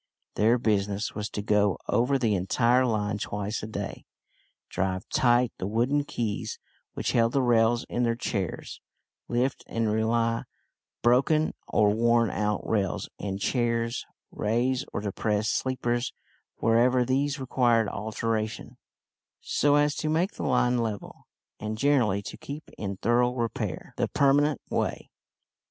Their business was to go over the entire line twice a day, drive tight the wooden "keys" which held the rails in their chairs, lift and re lay broken or worn out rails and chairs, raise or depress sleepers wherever these required alteration, so as to make the line level, and, generally, to keep in thorough repair the "permanent way."